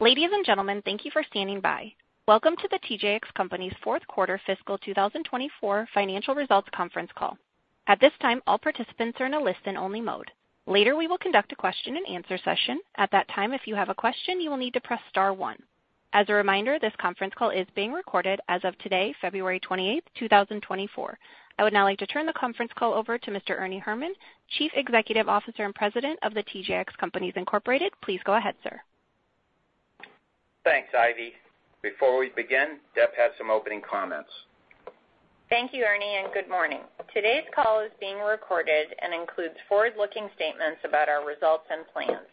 Ladies and gentlemen, thank you for standing by. Welcome to The TJX Companies' fourth quarter fiscal 2024 financial results conference call. At this time, all participants are in a listen-only mode. Later, we will conduct a question-and-answer session. At that time, if you have a question, you will need to press star one. As a reminder, this conference call is being recorded as of today, February 28, 2024. I would now like to turn the conference call over to Mr. Ernie Herrman, Chief Executive Officer and President of The TJX Companies, Inc. Please go ahead, sir. Thanks, Ivy. Before we begin, Deb has some opening comments. Thank you, Ernie, and good morning. Today's call is being recorded and includes forward-looking statements about our results and plans.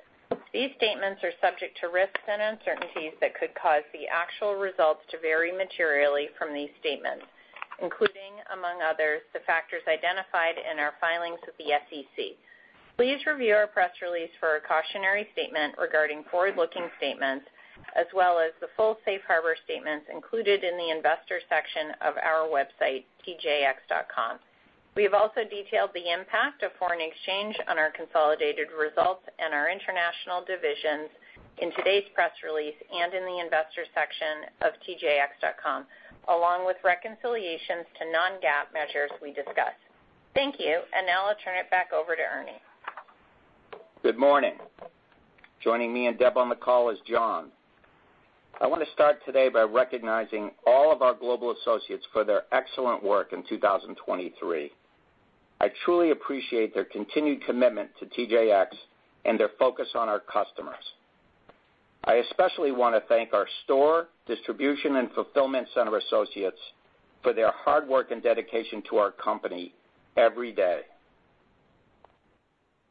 These statements are subject to risks and uncertainties that could cause the actual results to vary materially from these statements, including, among others, the factors identified in our filings with the SEC. Please review our press release for a cautionary statement regarding forward-looking statements, as well as the full safe harbor statements included in the Investor section of our website, tjx.com. We have also detailed the impact of foreign exchange on our consolidated results and our international divisions in today's press release and in the investor section of tjx.com, along with reconciliations to non-GAAP measures we discuss. Thank you, and now I'll turn it back over to Ernie. Good morning. Joining me and Deb on the call is John. I want to start today by recognizing all of our global associates for their excellent work in 2023. I truly appreciate their continued commitment to TJX and their focus on our customers. I especially want to thank our store, distribution, and fulfillment center associates for their hard work and dedication to our company every day.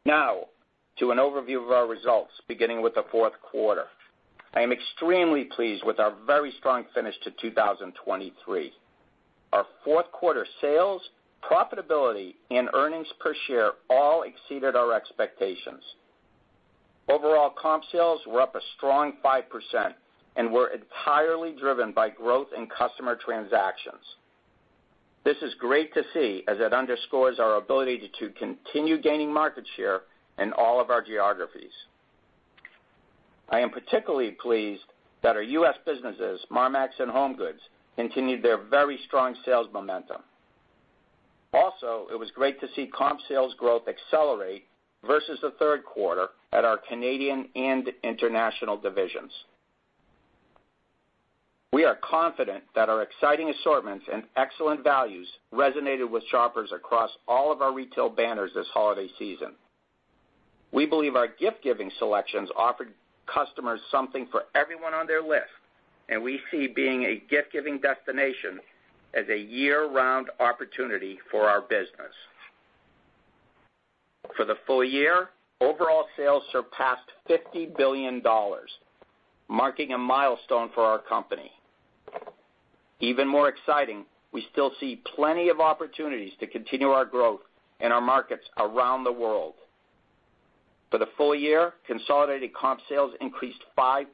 Now to an overview of our results, beginning with the fourth quarter. I am extremely pleased with our very strong finish to 2023. Our fourth quarter sales, profitability, and earnings per share all exceeded our expectations. Overall, comp sales were up a strong 5% and were entirely driven by growth in customer transactions. This is great to see, as it underscores our ability to continue gaining market share in all of our geographies. I am particularly pleased that our U.S. businesses, Marmaxx and HomeGoods, continued their very strong sales momentum. Also, it was great to see comp sales growth accelerate versus the third quarter at our Canadian and International divisions. We are confident that our exciting assortments and excellent values resonated with shoppers across all of our retail banners this holiday season. We believe our gift-giving selections offered customers something for everyone on their list, and we see being a gift-giving destination as a year-round opportunity for our business. For the full year, overall sales surpassed $50 billion, marking a milestone for our company. Even more exciting, we still see plenty of opportunities to continue our growth in our markets around the world. For the full year, consolidated comp sales increased 5%,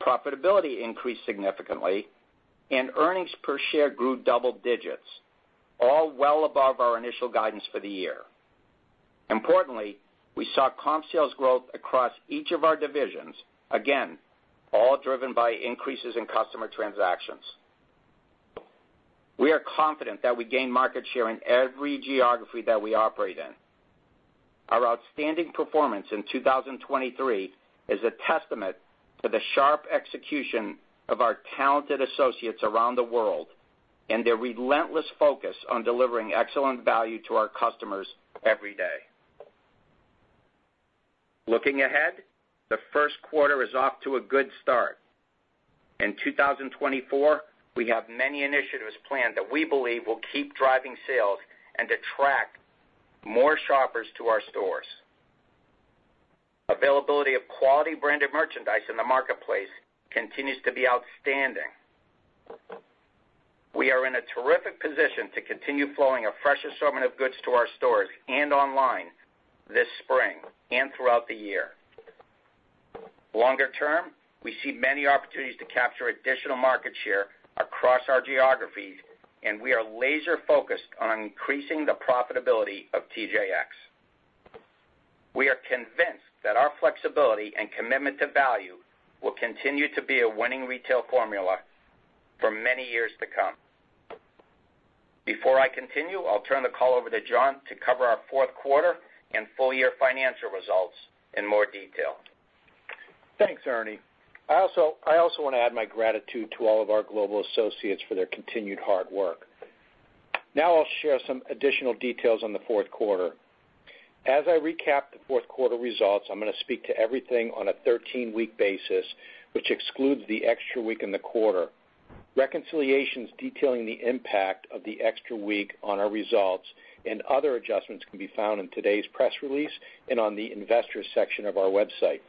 profitability increased significantly, and earnings per share grew double digits, all well above our initial guidance for the year. Importantly, we saw comp sales growth across each of our divisions, again, all driven by increases in customer transactions. We are confident that we gain market share in every geography that we operate in. Our outstanding performance in 2023 is a testament to the sharp execution of our talented associates around the world and their relentless focus on delivering excellent value to our customers every day. Looking ahead, the first quarter is off to a good start. In 2024, we have many initiatives planned that we believe will keep driving sales and attract more shoppers to our stores. Availability of quality branded merchandise in the marketplace continues to be outstanding. We are in a terrific position to continue flowing a fresh assortment of goods to our stores and online this spring and throughout the year. Longer term, we see many opportunities to capture additional market share across our geographies, and we are laser focused on increasing the profitability of TJX. We are convinced that our flexibility and commitment to value will continue to be a winning retail formula for many years to come. Before I continue, I'll turn the call over to John to cover our fourth quarter and full-year financial results in more detail. Thanks, Ernie. I also want to add my gratitude to all of our global associates for their continued hard work. Now I'll share some additional details on the fourth quarter. As I recap the fourth quarter results, I'm gonna speak to everything on a 13-week basis, which excludes the extra week in the quarter. Reconciliations detailing the impact of the extra week on our results and other adjustments can be found in today's press release and on the Investors section of our website.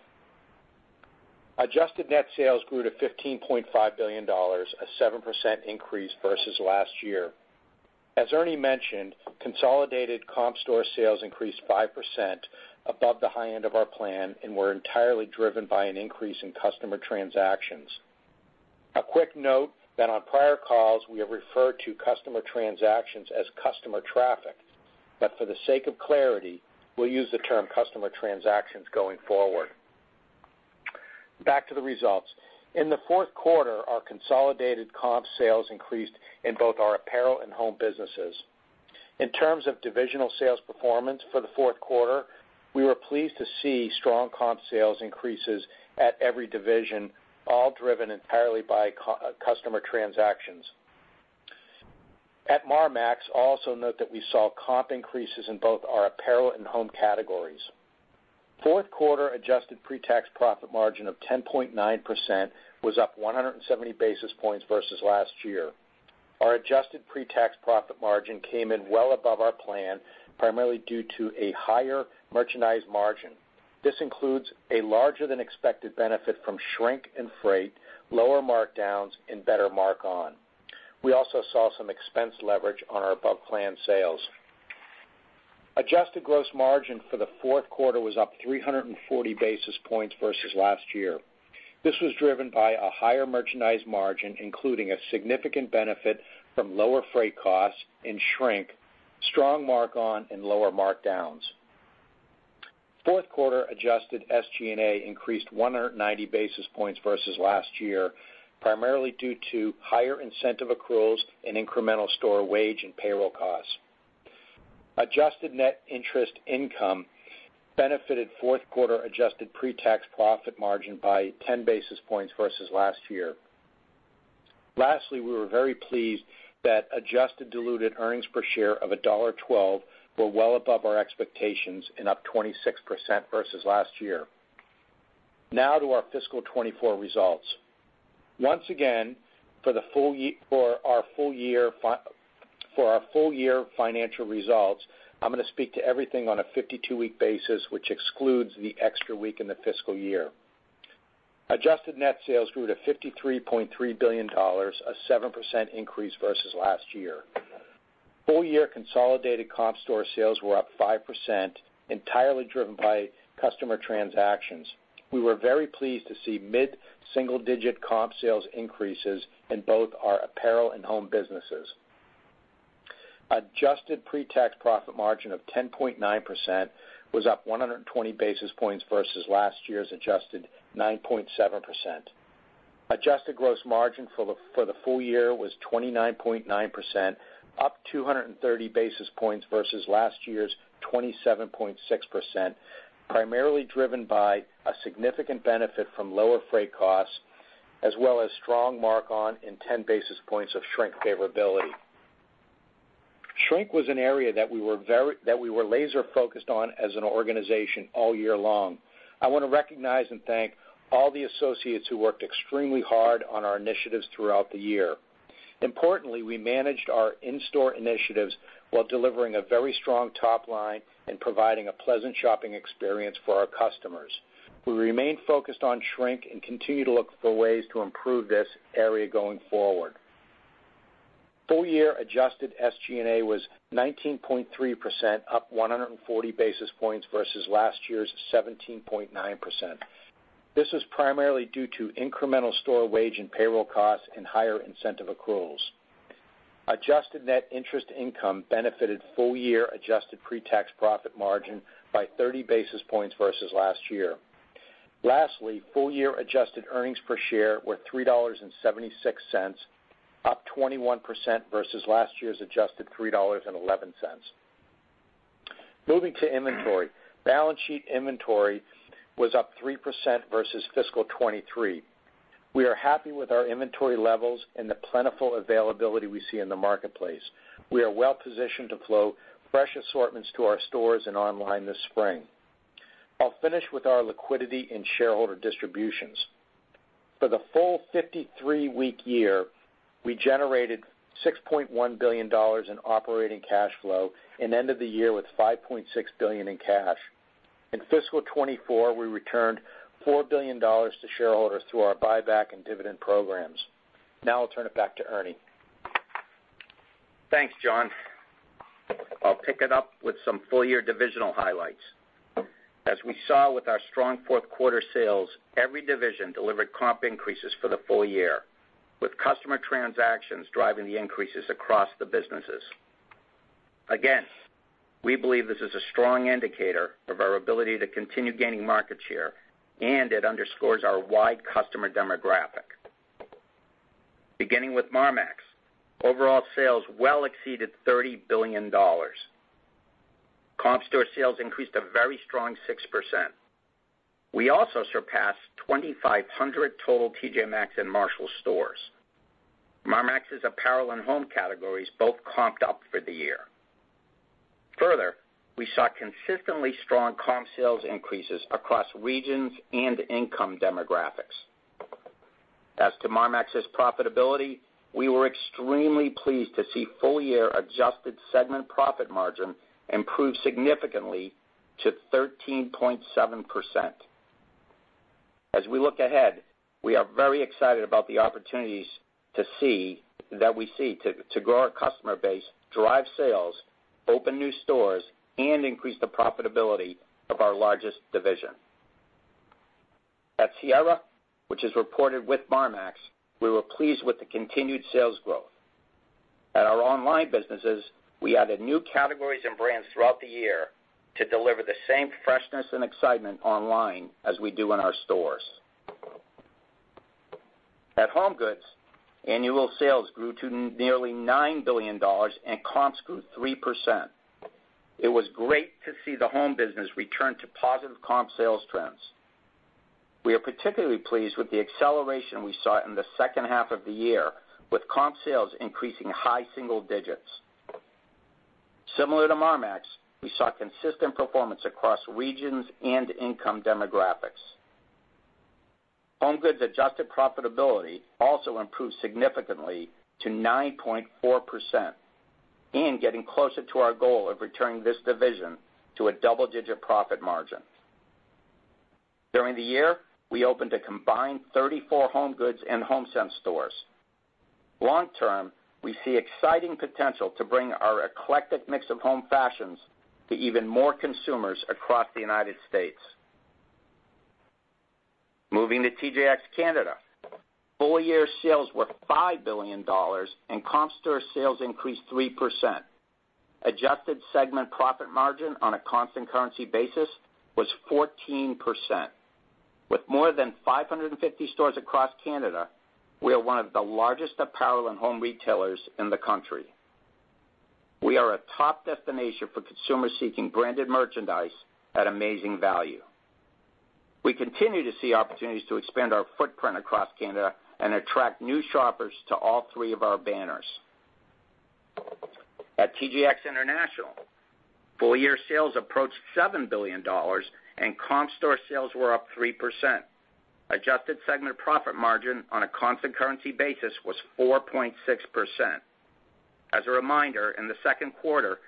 Adjusted net sales grew to $15.5 billion, a 7% increase versus last year. As Ernie mentioned, consolidated comp store sales increased 5% above the high end of our plan and were entirely driven by an increase in customer transactions. A quick note that on prior calls, we have referred to customer transactions as customer traffic. But for the sake of clarity, we'll use the term customer transactions going forward. Back to the results. In the fourth quarter, our consolidated comp sales increased in both our apparel and home businesses. In terms of divisional sales performance for the fourth quarter, we were pleased to see strong comp sales increases at every division, all driven entirely by customer transactions. At Marmaxx, also note that we saw comp increases in both our apparel and home categories. Fourth quarter adjusted pre-tax profit margin of 10.9% was up 170 basis points versus last year. Our adjusted pre-tax profit margin came in well above our plan, primarily due to a higher merchandise margin. This includes a larger than expected benefit from shrink and freight, lower markdowns, and better mark-on. We also saw some expense leverage on our above-plan sales. Adjusted gross margin for the fourth quarter was up 340 basis points versus last year. This was driven by a higher merchandise margin, including a significant benefit from lower freight costs and shrink, strong mark-on, and lower markdowns. Fourth quarter adjusted SG&A increased 190 basis points versus last year, primarily due to higher incentive accruals and incremental store wage and payroll costs. Adjusted net interest income benefited fourth quarter adjusted pre-tax profit margin by 10 basis points versus last year. Lastly, we were very pleased that adjusted diluted earnings per share of $1.12 were well above our expectations and up 26% versus last year. Now to our fiscal 2024 results. Once again, for our full year financial results, I'm gonna speak to everything on a 52-week basis, which excludes the extra week in the fiscal year. Adjusted net sales grew to $53.3 billion, a 7% increase versus last year. Full year consolidated comp store sales were up 5%, entirely driven by customer transactions. We were very pleased to see mid-single-digit comp sales increases in both our apparel and home businesses. Adjusted pre-tax profit margin of 10.9% was up 120 basis points versus last year's adjusted 9.7%. Adjusted gross margin for the full year was 29.9%, up 230 basis points versus last year's 27.6%, primarily driven by a significant benefit from lower freight costs, as well as strong mark-on and 10 basis points of shrink favorability. Shrink was an area that we were laser-focused on as an organization all year long. I wanna recognize and thank all the associates who worked extremely hard on our initiatives throughout the year. Importantly, we managed our in-store initiatives while delivering a very strong top line and providing a pleasant shopping experience for our customers. We remain focused on shrink and continue to look for ways to improve this area going forward. Full year adjusted SG&A was 19.3%, up 140 basis points versus last year's 17.9%. This is primarily due to incremental store wage and payroll costs and higher incentive accruals. Adjusted net interest income benefited full-year adjusted pre-tax profit margin by 30 basis points versus last year. Lastly, full-year adjusted earnings per share were $3.76, up 21% versus last year's adjusted $3.11. Moving to inventory. Balance sheet inventory was up 3% versus fiscal 2023. We are happy with our inventory levels and the plentiful availability we see in the marketplace. We are well positioned to flow fresh assortments to our stores and online this spring. I'll finish with our liquidity and shareholder distributions. For the full 53-week year, we generated $6.1 billion in operating cash flow and ended the year with $5.6 billion in cash. In fiscal 2024, we returned $4 billion to shareholders through our buyback and dividend programs. Now, I'll turn it back to Ernie. Thanks, John. I'll pick it up with some full-year divisional highlights. As we saw with our strong fourth quarter sales, every division delivered comp increases for the full year, with customer transactions driving the increases across the businesses. Again, we believe this is a strong indicator of our ability to continue gaining market share, and it underscores our wide customer demographic. Beginning with Marmaxx, overall sales well exceeded $30 billion. Comp store sales increased a very strong 6%. We also surpassed 2,500 total T.J. Maxx and Marshalls stores. Marmaxx's apparel and home categories both comped up for the year. Further, we saw consistently strong comp sales increases across regions and income demographics. As to Marmaxx's profitability, we were extremely pleased to see full-year adjusted segment profit margin improve significantly to 13.7%. As we look ahead, we are very excited about the opportunities to see that we seek to grow our customer base, drive sales, open new stores, and increase the profitability of our largest division. At Sierra, which is reported with Marmaxx, we were pleased with the continued sales growth. At our online businesses, we added new categories and brands throughout the year to deliver the same freshness and excitement online as we do in our stores. At HomeGoods, annual sales grew to nearly $9 billion, and comps grew 3%. It was great to see the home business return to positive comp sales trends. We are particularly pleased with the acceleration we saw in the second half of the year, with comp sales increasing high single digits. Similar to Marmaxx, we saw consistent performance across regions and income demographics. HomeGoods adjusted profitability also improved significantly to 9.4% and getting closer to our goal of returning this division to a double-digit profit margin. During the year, we opened a combined 34 HomeGoods and Homesense stores. Long term, we see exciting potential to bring our eclectic mix of home fashions to even more consumers across the United States. Moving to TJX Canada. Full year sales were $5 billion, and comp store sales increased 3%. Adjusted segment profit margin on a constant currency basis was 14%. With more than 550 stores across Canada, we are one of the largest apparel and home retailers in the country. We are a top destination for consumers seeking branded merchandise at amazing value. We continue to see opportunities to expand our footprint across Canada and attract new shoppers to all three of our banners. At TJX International, full year sales approached $7 billion, and comp store sales were up 3%. Adjusted segment profit margin on a constant currency basis was 4.6%. As a reminder, in the second quarter,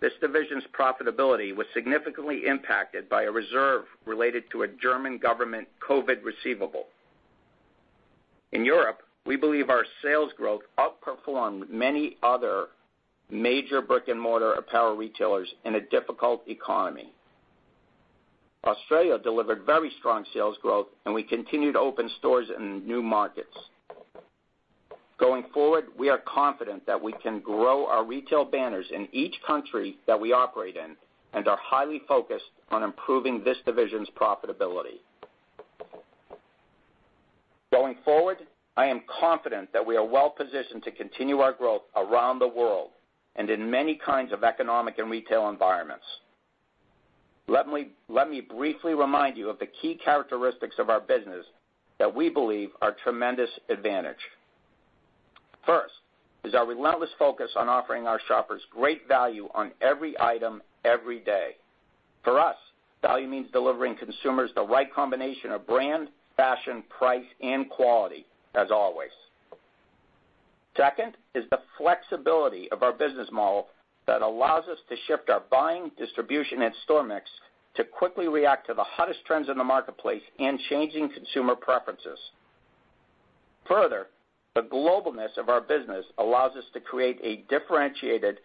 this division's profitability was significantly impacted by a reserve related to a German government COVID receivable. In Europe, we believe our sales growth outperformed many other major brick-and-mortar apparel retailers in a difficult economy. Australia delivered very strong sales growth, and we continued to open stores in new markets. Going forward, we are confident that we can grow our retail banners in each country that we operate in and are highly focused on improving this division's profitability. Going forward, I am confident that we are well positioned to continue our growth around the world and in many kinds of economic and retail environments. Let me, let me briefly remind you of the key characteristics of our business that we believe are tremendous advantage. First, is our relentless focus on offering our shoppers great value on every item, every day. For us, value means delivering consumers the right combination of brand, fashion, price, and quality, as always. Second, is the flexibility of our business model that allows us to shift our buying, distribution, and store mix to quickly react to the hottest trends in the marketplace and changing consumer preferences. Further, the globalness of our business allows us to create a differentiated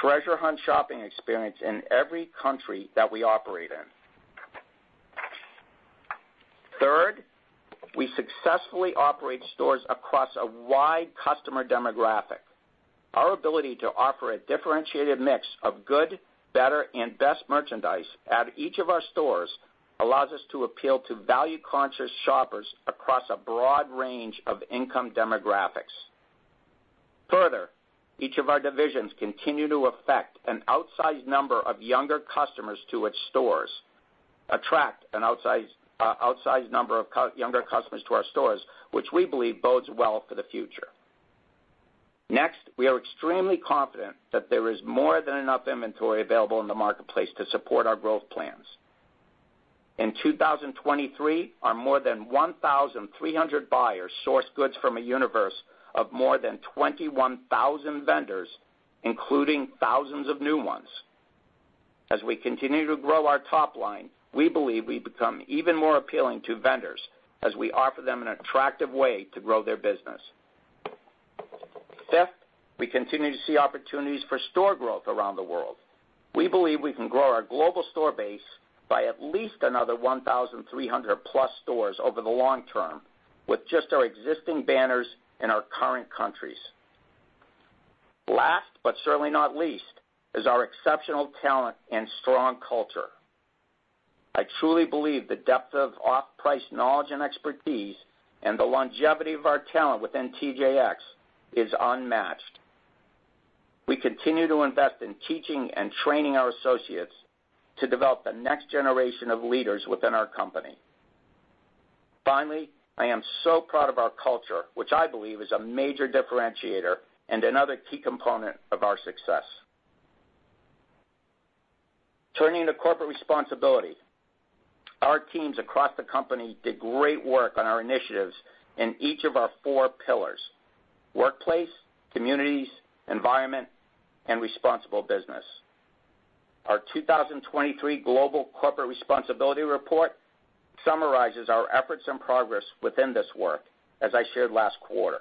Treasure Hunt shopping experience in every country that we operate in. Third, we successfully operate stores across a wide customer demographic. Our ability to offer a differentiated mix of good, better, and best merchandise at each of our stores allows us to appeal to value-conscious shoppers across a broad range of income demographics. Further, each of our divisions continue to attract an outsized number of younger customers to its stores, which we believe bodes well for the future. Next, we are extremely confident that there is more than enough inventory available in the marketplace to support our growth plans. In 2023, our more than 1,300 buyers sourced goods from a universe of more than 21,000 vendors, including thousands of new ones. As we continue to grow our top line, we believe we become even more appealing to vendors as we offer them an attractive way to grow their business. Fifth, we continue to see opportunities for store growth around the world. We believe we can grow our global store base by at least another 1,300+ stores over the long term, with just our existing banners in our current countries. Last, but certainly not least, is our exceptional talent and strong culture. I truly believe the depth of off-price knowledge and expertise, and the longevity of our talent within TJX is unmatched. We continue to invest in teaching and training our associates to develop the next generation of leaders within our company. Finally, I am so proud of our culture, which I believe is a major differentiator and another key component of our success. Turning to corporate responsibility. Our teams across the company did great work on our initiatives in each of our four pillars: workplace, communities, environment, and responsible business. Our 2023 Global Corporate Responsibility Report summarizes our efforts and progress within this work, as I shared last quarter.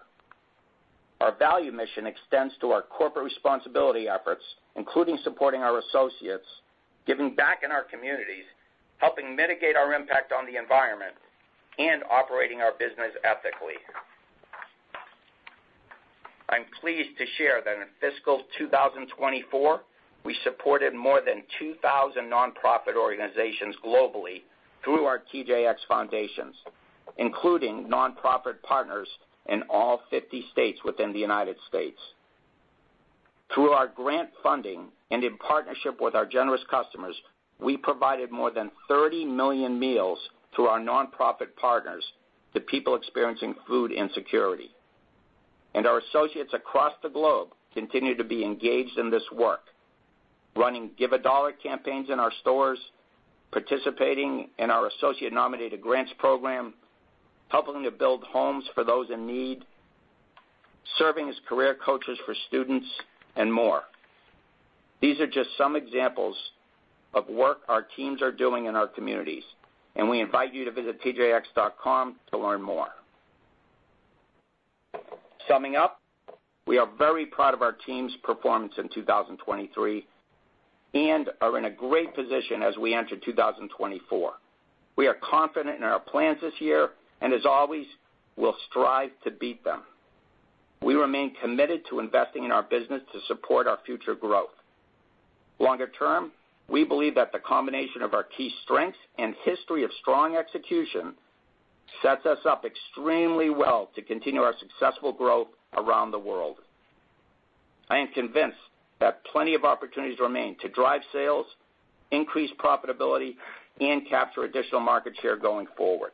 Our value mission extends to our corporate responsibility efforts, including supporting our associates, giving back in our communities, helping mitigate our impact on the environment, and operating our business ethically. I'm pleased to share that in fiscal 2024, we supported more than 2,000 nonprofit organizations globally through our TJX foundations, including nonprofit partners in all 50 states within the United States. Through our grant funding and in partnership with our generous customers, we provided more than 30 million meals to our nonprofit partners, to people experiencing food insecurity. Our associates across the globe continue to be engaged in this work, running Give a Dollar campaigns in our stores, participating in our associate-nominated grants program, helping to build homes for those in need, serving as career coaches for students, and more. These are just some examples of work our teams are doing in our communities, and we invite you to visit tjx.com to learn more. Summing up, we are very proud of our team's performance in 2023 and are in a great position as we enter 2024. We are confident in our plans this year, and as always, we'll strive to beat them. We remain committed to investing in our business to support our future growth. Longer term, we believe that the combination of our key strengths and history of strong execution sets us up extremely well to continue our successful growth around the world. I am convinced that plenty of opportunities remain to drive sales, increase profitability, and capture additional market share going forward.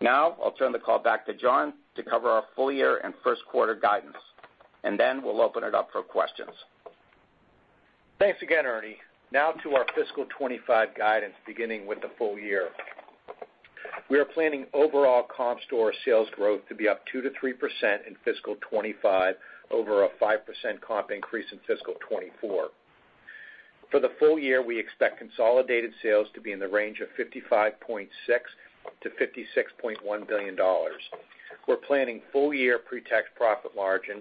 Now, I'll turn the call back to John to cover our full year and first quarter guidance, and then we'll open it up for questions. Thanks again, Ernie. Now to our fiscal 2025 guidance, beginning with the full year. We are planning overall comp store sales growth to be up 2%-3% in fiscal 2025 over a 5% comp increase in fiscal 2024. For the full year, we expect consolidated sales to be in the range of $55.6 billion-$56.1 billion. We're planning full-year pre-tax profit margin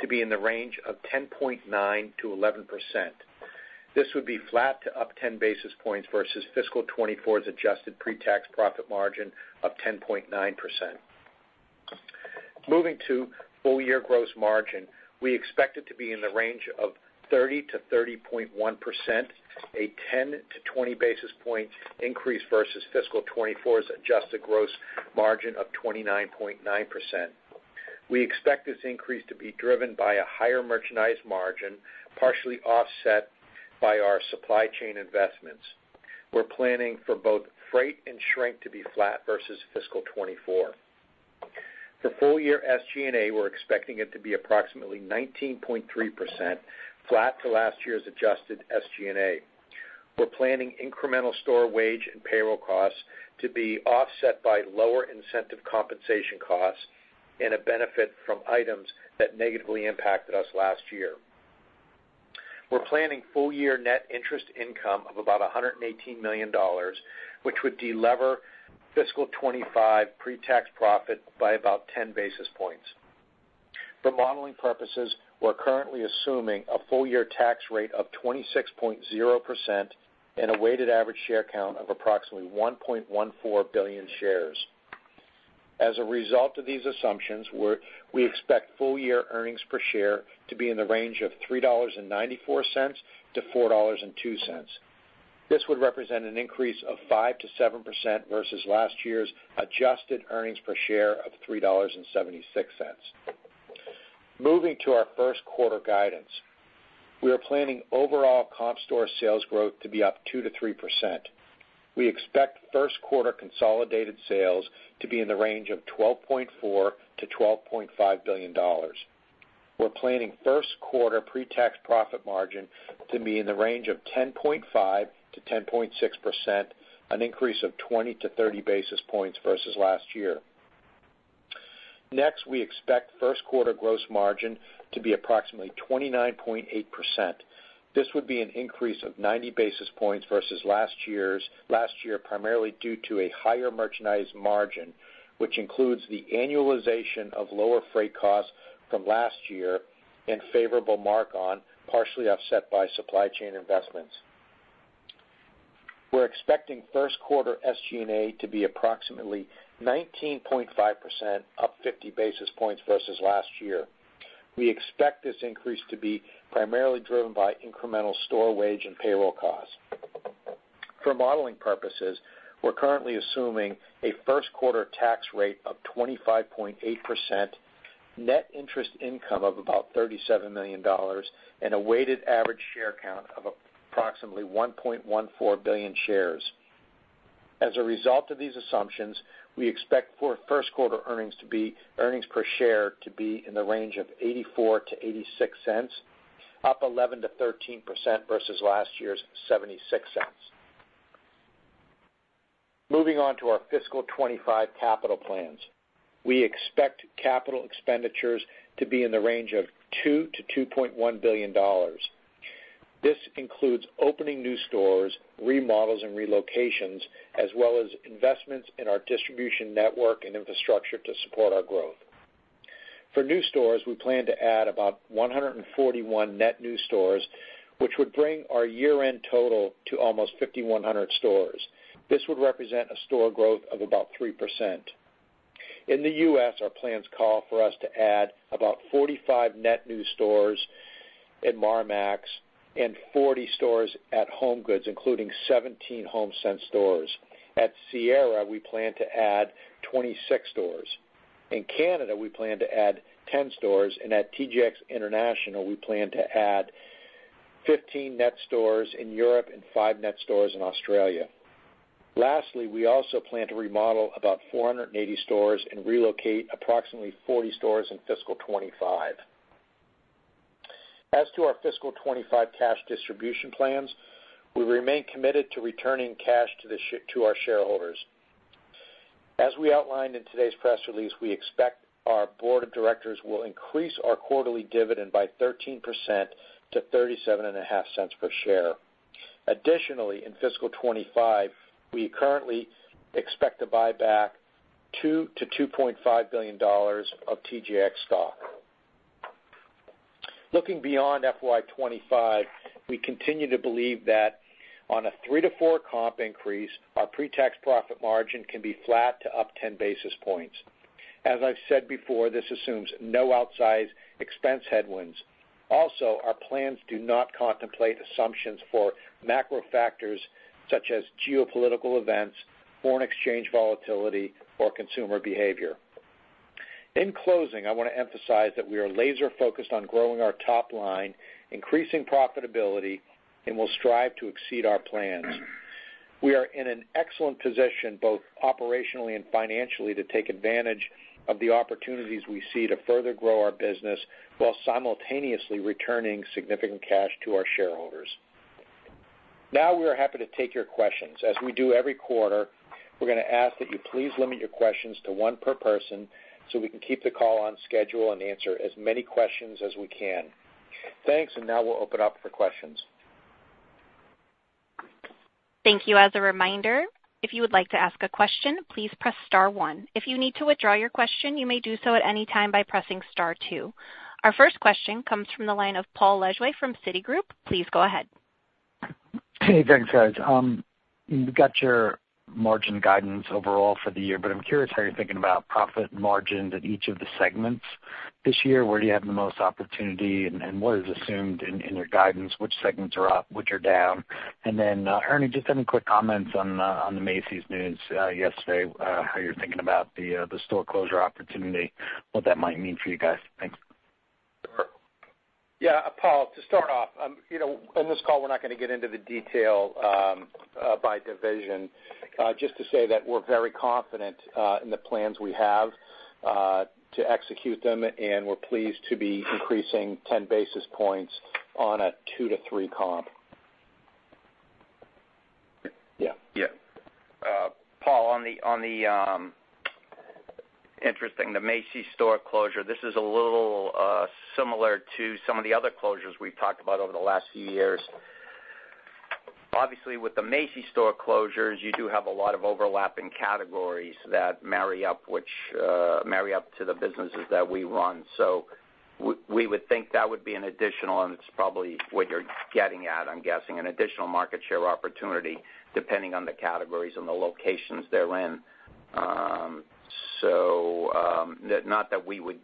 to be in the range of 10.9%-11%. This would be flat to up 10 basis points versus fiscal 2024's adjusted pre-tax profit margin of 10.9%. Moving to full year gross margin, we expect it to be in the range of 30%-30.1%, a 10-20 basis point increase versus fiscal 2024's adjusted gross margin of 29.9%. We expect this increase to be driven by a higher merchandise margin, partially offset by our supply chain investments. We're planning for both freight and shrink to be flat versus fiscal 2024. For full year SG&A, we're expecting it to be approximately 19.3%, flat to last year's adjusted SG&A. We're planning incremental store wage and payroll costs to be offset by lower incentive compensation costs and a benefit from items that negatively impacted us last year. We're planning full year net interest income of about $118 million, which would delever fiscal 2025 pre-tax profit by about 10 basis points. For modeling purposes, we're currently assuming a full year tax rate of 26.0% and a weighted average share count of approximately 1.14 billion shares. As a result of these assumptions, we expect full year earnings per share to be in the range of $3.94-$4.02. This would represent an increase of 5%-7% versus last year's adjusted earnings per share of $3.76. Moving to our first quarter guidance. We are planning overall comp store sales growth to be up 2%-3%. We expect first quarter consolidated sales to be in the range of $12.4 billion-$12.5 billion. We're planning first quarter pre-tax profit margin to be in the range of 10.5%-10.6%, an increase of 20-30 basis points versus last year. Next, we expect first quarter gross margin to be approximately 29.8%. This would be an increase of 90 basis points versus last year, primarily due to a higher merchandise margin, which includes the annualization of lower freight costs from last year and favorable mark-on, partially offset by supply chain investments. We're expecting first quarter SG&A to be approximately 19.5%, up 50 basis points versus last year. We expect this increase to be primarily driven by incremental store wage and payroll costs. For modeling purposes, we're currently assuming a first quarter tax rate of 25.8%, net interest income of about $37 million, and a weighted average share count of approximately 1.14 billion shares. As a result of these assumptions, we expect for first quarter earnings per share to be in the range of $0.84-$0.86, up 11%-13% versus last year's $0.76. Moving on to our fiscal 2025 capital plans. We expect capital expenditures to be in the range of $2 billion-$2.1 billion. This includes opening new stores, remodels, and relocations, as well as investments in our distribution network and infrastructure to support our growth. For new stores, we plan to add about 141 net new stores, which would bring our year-end total to almost 5,100 stores. This would represent a store growth of about 3%. In the U.S., our plans call for us to add about 45 net new stores at Marmaxx and 40 stores at HomeGoods, including 17 Homesense stores. At Sierra, we plan to add 26 stores. In Canada, we plan to add 10 stores, and at TJX International, we plan to add 15 net stores in Europe and five net stores in Australia. Lastly, we also plan to remodel about 480 stores and relocate approximately 40 stores in fiscal 2025. As to our fiscal 2025 cash distribution plans, we remain committed to returning cash to our shareholders. As we outlined in today's press release, we expect our board of directors will increase our quarterly dividend by 13% to $0.375 per share. Additionally, in fiscal 2025, we currently expect to buy back $2 billion-$2.5 billion of TJX stock. Looking beyond FY 2025, we continue to believe that on a 3%-4% comp increase, our pre-tax profit margin can be flat to up 10 basis points. As I've said before, this assumes no outsized expense headwinds. Also, our plans do not contemplate assumptions for macro factors such as geopolitical events, foreign exchange volatility, or consumer behavior. In closing, I wanna emphasize that we are laser focused on growing our top line, increasing profitability, and will strive to exceed our plans. We are in an excellent position, both operationally and financially, to take advantage of the opportunities we see to further grow our business, while simultaneously returning significant cash to our shareholders. Now, we are happy to take your questions. As we do every quarter, we're gonna ask that you please limit your questions to one per person, so we can keep the call on schedule and answer as many questions as we can. Thanks, and now we'll open up for questions. Thank you. As a reminder, if you would like to ask a question, please press star one. If you need to withdraw your question, you may do so at any time by pressing star two. Our first question comes from the line of Paul Lejuez from Citigroup. Please go ahead. Hey, thanks, guys. We got your margin guidance overall for the year, but I'm curious how you're thinking about profit margins at each of the segments this year. Where do you have the most opportunity, and what is assumed in your guidance? Which segments are up, which are down? And then, Ernie, just any quick comments on the Macy's news yesterday, how you're thinking about the store closure opportunity, what that might mean for you guys? Thanks. Yeah, Paul, to start off, you know, on this call, we're not gonna get into the detail by division. Just to say that we're very confident in the plans we have to execute them, and we're pleased to be increasing 10 basis points on a 2%-3% comp. Yeah. Yeah. Paul, on the interesting Macy's store closure, this is a little similar to some of the other closures we've talked about over the last few years. Obviously, with the Macy's store closures, you do have a lot of overlapping categories that marry up, which marry up to the businesses that we run. So we would think that would be an additional, and it's probably what you're getting at, I'm guessing, an additional market share opportunity, depending on the categories and the locations they're in. So that we would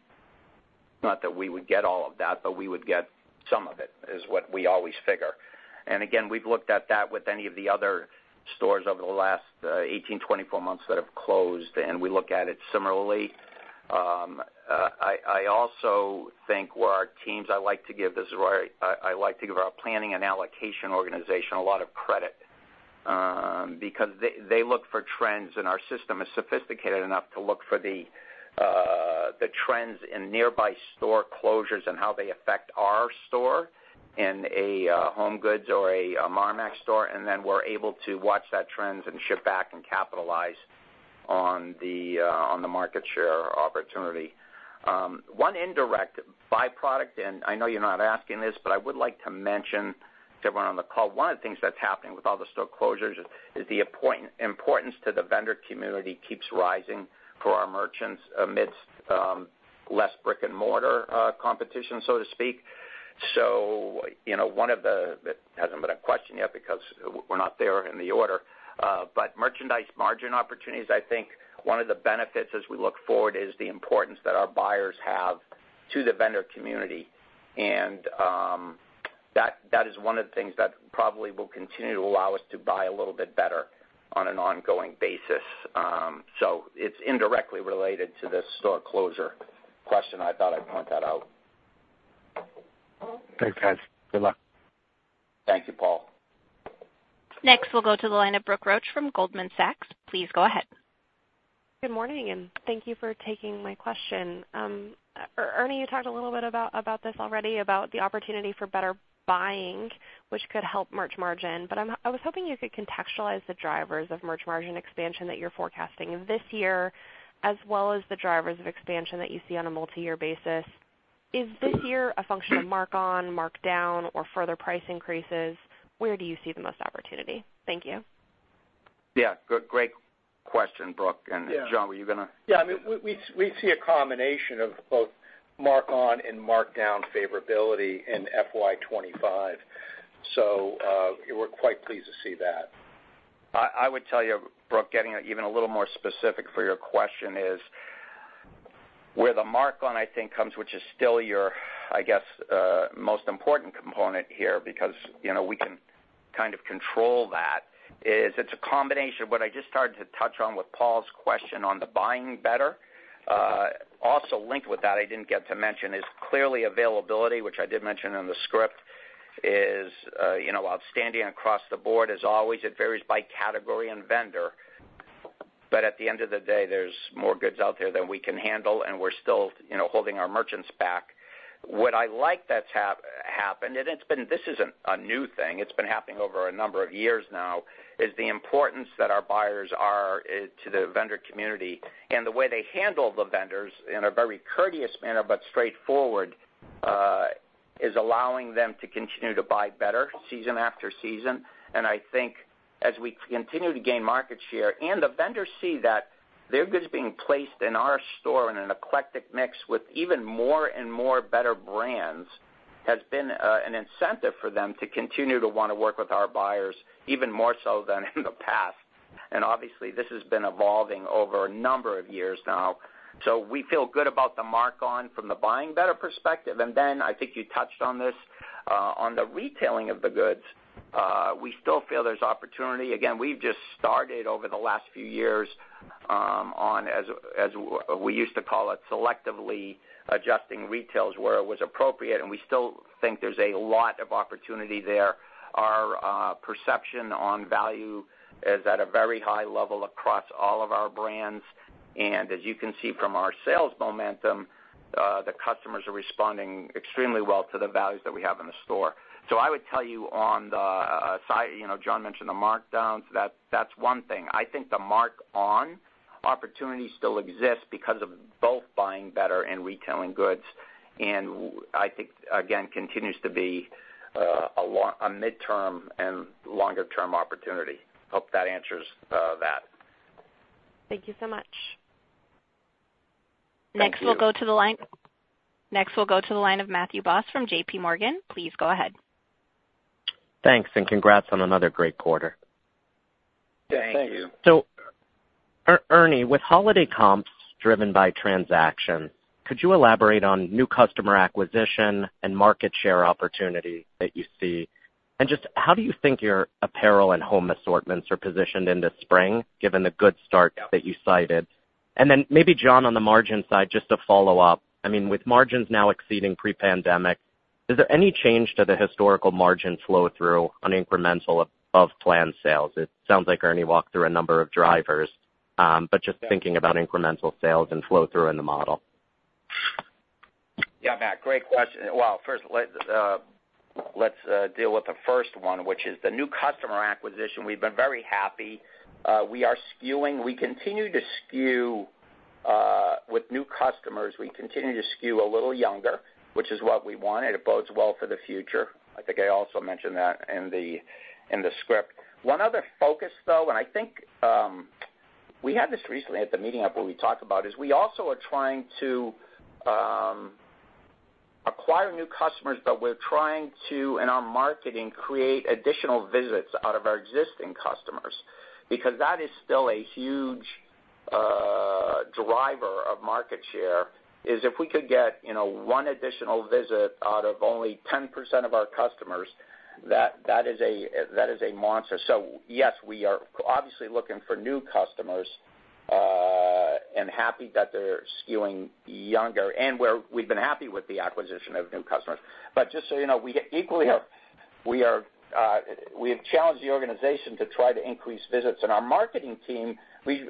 not get all of that, but we would get some of it, is what we always figure. And again, we've looked at that with any of the other stores over the last 18-24 months that have closed, and we look at it similarly. I also think I like to give our planning and allocation organization a lot of credit, because they look for trends, and our system is sophisticated enough to look for the trends in nearby store closures and how they affect our store in a HomeGoods or a Marmaxx store, and then we're able to watch that trends and ship back and capitalize on the market share opportunity. One indirect by-product, and I know you're not asking this, but I would like to mention to everyone on the call, one of the things that's happening with all the store closures is the importance to the vendor community keeps rising for our merchants amidst less brick-and-mortar competition, so to speak. So, you know, one of the, that hasn't been a question yet because we're not there in the order, but merchandise margin opportunities. I think one of the benefits as we look forward is the importance that our buyers have to the vendor community. That is one of the things that probably will continue to allow us to buy a little bit better on an ongoing basis. It's indirectly related to this store closure question. I thought I'd point that out. Thanks, guys. Good luck. Thank you, Paul. Next, we'll go to the line of Brooke Roach from Goldman Sachs. Please go ahead. Good morning, and thank you for taking my question. Ernie, you talked a little bit about this already, about the opportunity for better buying, which could help merch margin. But I was hoping you could contextualize the drivers of merch margin expansion that you're forecasting this year, as well as the drivers of expansion that you see on a multiyear basis. Is this year a function of mark-on, markdown, or further price increases? Where do you see the most opportunity? Thank you. Yeah, good. Great question, Brooke. Yeah. John, were you gonna? Yeah, I mean, we see a combination of both mark-on and markdown favorability in FY 2025. So, we're quite pleased to see that. I would tell you, Brooke, getting even a little more specific for your question is, where the mark-on, I think, comes, which is still your, I guess, most important component here, because, you know, we can kind of control that, is it's a combination of what I just started to touch on with Paul's question on the buying better. Also linked with that, I didn't get to mention, is clearly availability, which I did mention in the script, is, you know, outstanding across the board. As always, it varies by category and vendor. But at the end of the day, there's more goods out there than we can handle, and we're still, you know, holding our merchants back. What I like that's happened, and it's been this isn't a new thing, it's been happening over a number of years now, is the importance that our buyers are to the vendor community. And the way they handle the vendors, in a very courteous manner, but straightforward, is allowing them to continue to buy better season after season. And I think as we continue to gain market share, and the vendors see that their goods are being placed in our store in an eclectic mix with even more and more better brands, has been an incentive for them to continue to wanna work with our buyers even more so than in the past. And obviously, this has been evolving over a number of years now. So we feel good about the mark-on from the buying better perspective. Then I think you touched on this, on the retailing of the goods, we still feel there's opportunity. Again, we've just started over the last few years, as we used to call it, selectively adjusting retails where it was appropriate, and we still think there's a lot of opportunity there. Our perception on value is at a very high level across all of our brands, and as you can see from our sales momentum, the customers are responding extremely well to the values that we have in the store. So I would tell you on the side, you know, John mentioned the markdowns, that's one thing. I think the mark-on opportunity still exists because of both buying better and retailing goods, and I think, again, continues to be a midterm and longer term opportunity. Hope that answers that. Thank you so much. Thank you. Next, we'll go to the line of Matthew Boss from JPMorgan. Please go ahead. Thanks, and congrats on another great quarter. Thank you. Thank you. So, Ernie, with holiday comps driven by transaction, could you elaborate on new customer acquisition and market share opportunity that you see? And just how do you think your apparel and home assortments are positioned into spring, given the good start that you cited? And then maybe, John, on the margin side, just to follow up, I mean, with margins now exceeding pre-pandemic, is there any change to the historical margin flow-through on incremental of planned sales? It sounds like Ernie walked through a number of drivers, but just thinking about incremental sales and flow-through in the model. Yeah, Matt, great question. Well, first, let's deal with the first one, which is the new customer acquisition. We've been very happy. We are skewing—we continue to skew with new customers. We continue to skew a little younger, which is what we want, and it bodes well for the future. I think I also mentioned that in the, in the script. One other focus, though, and I think we had this recently at the meeting up where we talked about, is we also are trying to acquire new customers, but we're trying to, in our marketing, create additional visits out of our existing customers. Because that is still a huge driver of market share, is if we could get, you know, one additional visit out of only 10% of our customers, that, that is a, that is a monster. So yes, we are obviously looking for new customers, and happy that they're skewing younger, and we're, we've been happy with the acquisition of new customers. But just so you know, we equally are, we are, we have challenged the organization to try to increase visits. And our marketing team,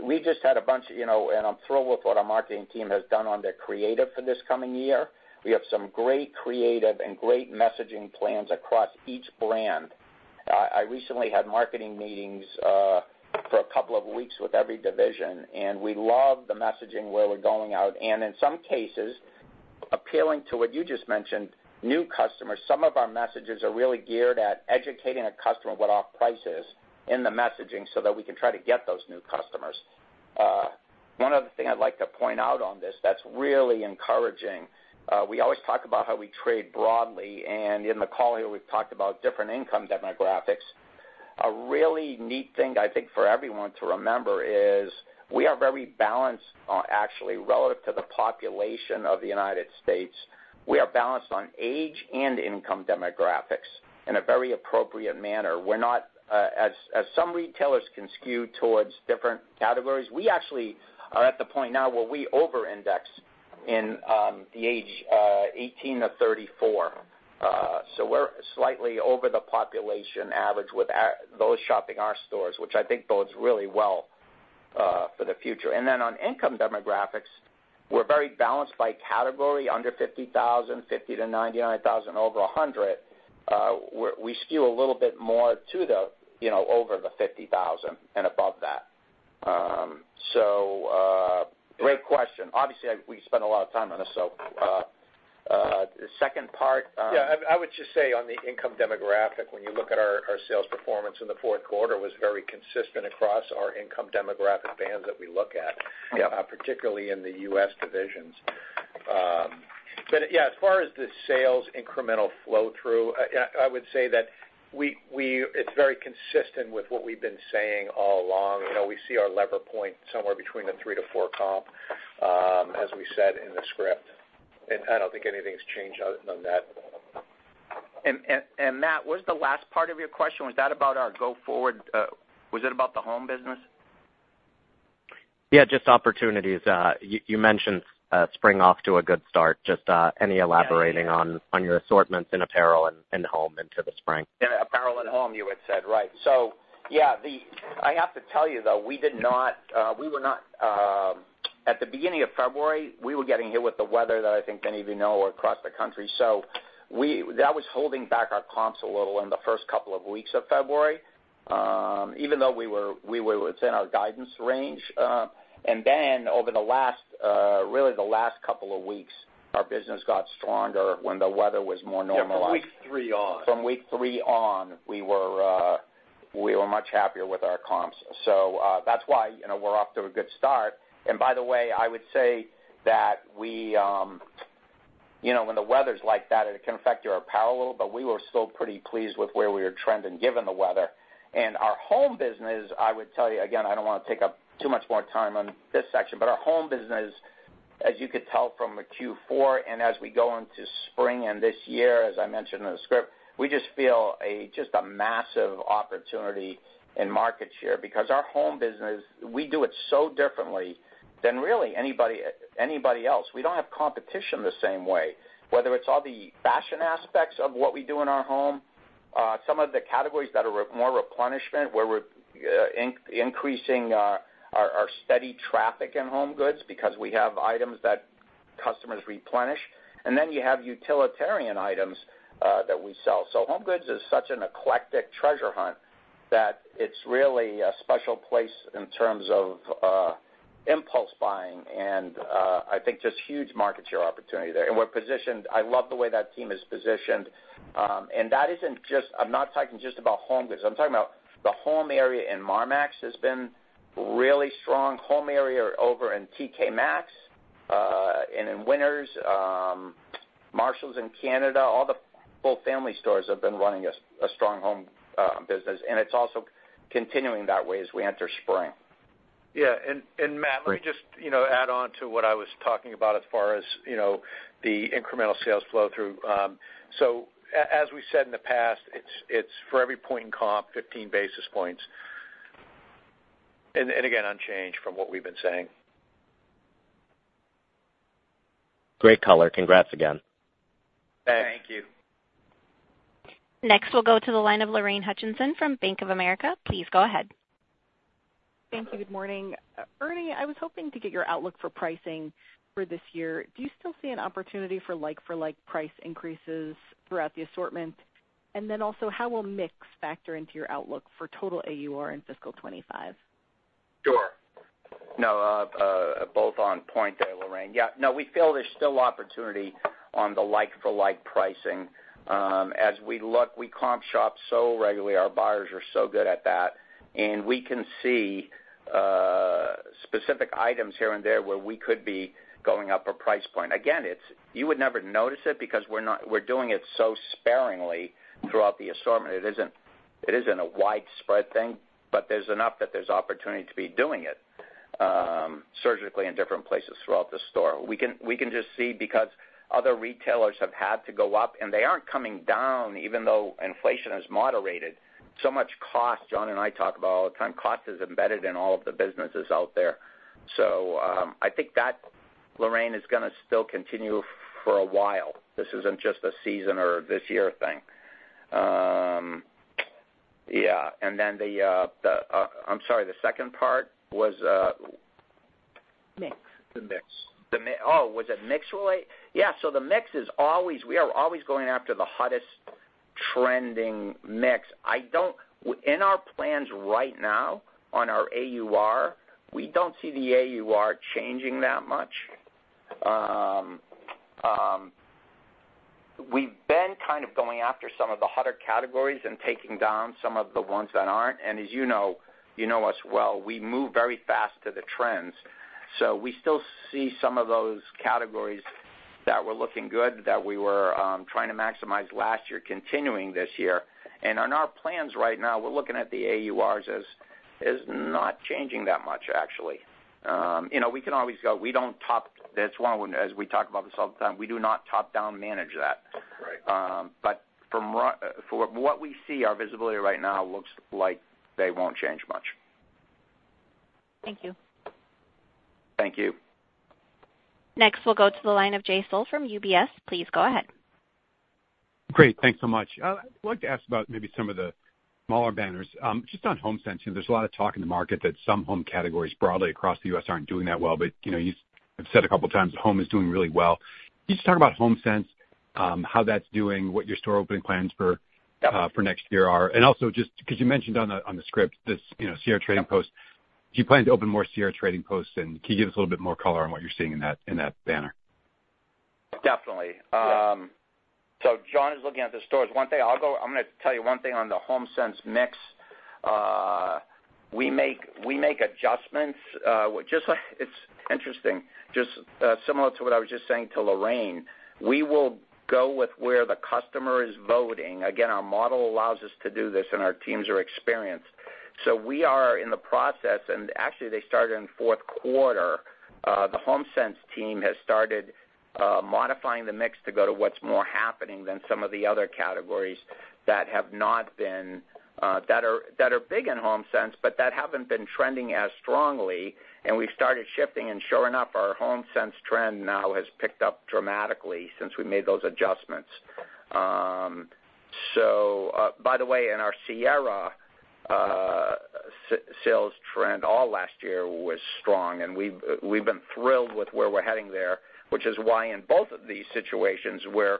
we just had a bunch of, you know, and I'm thrilled with what our marketing team has done on their creative for this coming year. We have some great creative and great messaging plans across each brand. I recently had marketing meetings, for a couple of weeks with every division, and we love the messaging where we're going out, and in some cases, appealing to what you just mentioned, new customers. Some of our messages are really geared at educating a customer what our price is in the messaging, so that we can try to get those new customers. One other thing I'd like to point out on this that's really encouraging, we always talk about how we trade broadly, and in the call here, we've talked about different income demographics. A really neat thing, I think, for everyone to remember is we are very balanced, actually, relative to the population of the United States. We are balanced on age and income demographics in a very appropriate manner. We're not, as some retailers can skew towards different categories, we actually are at the point now where we over-index in, the age, 18-34. So we're slightly over the population average with those shopping our stores, which I think bodes really well for the future. And then on income demographics, we're very balanced by category, under $50,000, $50,000-$99,000, over $100,000. We skew a little bit more to the, you know, over the $50,000 and above that. So, great question. Obviously, we spent a lot of time on this, so, the second part, Yeah, I would just say on the income demographic, when you look at our sales performance in the fourth quarter, was very consistent across our income demographic bands that we look at. Yep. Particularly in the U.S. divisions. But, yeah, as far as the sales incremental flow-through, yeah, I would say that it's very consistent with what we've been saying all along. You know, we see our lever point somewhere between 3%-4% comp, as we said in the script, and I don't think anything's changed on that. And Matt, what was the last part of your question? Was that about our go forward, was it about the home business? Yeah, just opportunities. You mentioned spring off to a good start. Just, any elaborating on. Yeah. On your assortments in apparel and home into the spring? Yeah, apparel and home, you had said, right. So, yeah, I have to tell you, though, we did not, we were not. At the beginning of February, we were getting hit with the weather that I think many of you know across the country. So, that was holding back our comps a little in the first couple of weeks of February, even though we were, we were within our guidance range. And then over the last, really the last couple of weeks, our business got stronger when the weather was more normalized. Yeah, from week three on. From week three on, we were much happier with our comps. So, that's why, you know, we're off to a good start. And by the way, I would say that we, you know, when the weather's like that, it can affect your apparel a little, but we were still pretty pleased with where we were trending, given the weather. And our home business, I would tell you, again, I don't wanna take up too much more time on this section, but our home business, as you could tell from the Q4 and as we go into spring and this year, as I mentioned in the script, we just feel a just a massive opportunity in market share. Because our home business, we do it so differently than really anybody, anybody else. We don't have competition the same way, whether it's all the fashion aspects of what we do in our home, some of the categories that are more replenishment, where we're increasing our steady traffic in HomeGoods because we have items that customers replenish, and then you have utilitarian items that we sell. So HomeGoods is such an eclectic treasure hunt that it's really a special place in terms of impulse buying, and I think just huge market share opportunity there. And we're positioned. I love the way that team is positioned. And that isn't just. I'm not talking just about HomeGoods. I'm talking about the home area in Marmaxx has been really strong. Home area over in TK Maxx, and in WINNERS, Marshalls in Canada, all the full family stores have been running a strong home business, and it's also continuing that way as we enter spring. Yeah, and Matt, let me just, you know, add on to what I was talking about as far as, you know, the incremental sales flow through. So as we said in the past, it's for every point in comp, 15 basis points, and again, unchanged from what we've been saying. Great color. Congrats again. Thank you. Thank you. Next, we'll go to the line of Lorraine Hutchinson from Bank of America. Please go ahead. Thank you. Good morning. Ernie, I was hoping to get your outlook for pricing for this year. Do you still see an opportunity for like-for-like price increases throughout the assortment? And then also, how will mix factor into your outlook for total AUR in fiscal 2025? Sure. No, both on point there, Lorraine. Yeah. No, we feel there's still opportunity on the like-for-like pricing. As we look, we comp shop so regularly, our buyers are so good at that, and we can see specific items here and there where we could be going up a price point. Again, it's you would never notice it because we're not, we're doing it so sparingly throughout the assortment. It isn't, it isn't a widespread thing, but there's enough that there's opportunity to be doing it surgically in different places throughout the store. We can just see because other retailers have had to go up, and they aren't coming down, even though inflation has moderated. So much cost, John and I talk about all the time, cost is embedded in all of the businesses out there. So, I think that, Lorraine, is gonna still continue for a while. This isn't just a season or a this year thing. Yeah, and then, I'm sorry, the second part was. Mix. The mix. Oh, was it mix-related? Yeah, so the mix is always, we are always going after the hottest trending mix. I don't in our plans right now, on our AUR, we don't see the AUR changing that much. We've been kind of going after some of the hotter categories and taking down some of the ones that aren't. And as you know, you know us well, we move very fast to the trends. So we still see some of those categories that were looking good, that we were trying to maximize last year, continuing this year. And on our plans right now, we're looking at the AURs as not changing that much, actually. You know, we can always go, we don't top, that's why when, as we talk about this all the time, we do not top-down manage that. Right. But from for what we see, our visibility right now looks like they won't change much. Thank you. Thank you. Next, we'll go to the line of Jay Sole from UBS. Please go ahead. Great. Thanks so much. I'd like to ask about maybe some of the smaller banners. Just on Homesense, you know, there's a lot of talk in the market that some home categories broadly across the U.S. aren't doing that well, but, you know, you have said a couple of times that home is doing really well. Can you just talk about Homesense, how that's doing, what your store opening plans for, for next year are? And also, just because you mentioned on the, on the script, this, you know, Sierra Trading Post, do you plan to open more Sierra Trading Posts? And can you give us a little bit more color on what you're seeing in that, in that banner? Definitely. So John is looking at the stores. One thing I'm gonna tell you one thing on the Homesense mix. We make, we make adjustments, just like it's interesting, just, similar to what I was just saying to Lorraine, we will go with where the customer is voting. Again, our model allows us to do this, and our teams are experienced. So we are in the process, and actually, they started in fourth quarter. The Homesense team has started modifying the mix to go to what's more happening than some of the other categories that have not been, that are, that are big in Homesense, but that haven't been trending as strongly. And we started shifting, and sure enough, our Homesense trend now has picked up dramatically since we made those adjustments. So, by the way, in our Sierra sales trend, all last year was strong, and we've been thrilled with where we're heading there, which is why in both of these situations, we're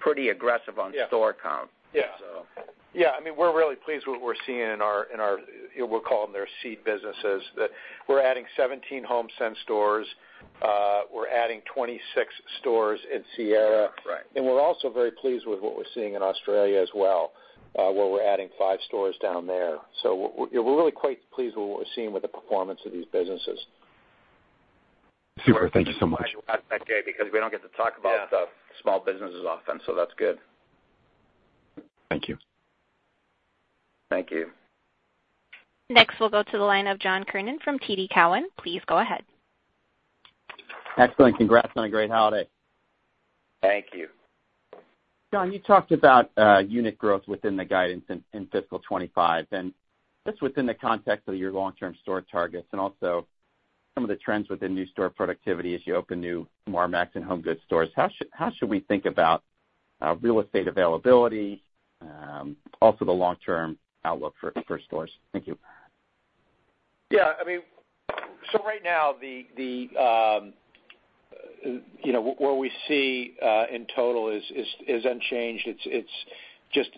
pretty aggressive on store count. Yeah. So. Yeah, I mean, we're really pleased with what we're seeing in our, in our, we'll call them their seed businesses, that we're adding 17 Homesense stores, we're adding 26 stores in Sierra. Right. We're also very pleased with what we're seeing in Australia as well, where we're adding five stores down there. We're really quite pleased with what we're seeing with the performance of these businesses. Super. Thank you so much. Because we don't get to talk about. Yeah. The small businesses often, so that's good. Thank you. Thank you. Next, we'll go to the line of John Kernan from TD Cowen. Please go ahead. Excellent. Congrats on a great holiday. Thank you. John, you talked about unit growth within the guidance in fiscal 2025, and just within the context of your long-term store targets and also some of the trends within new store productivity as you open new Marmaxx and HomeGoods stores, how should we think about real estate availability, also the long-term outlook for stores? Thank you. Yeah, I mean, so right now, you know, what we see in total is unchanged. It's just